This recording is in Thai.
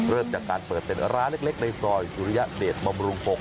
เริ่มจากการเปิดเป็นร้านเล็กในซอยสุริยเดชบำรุง๖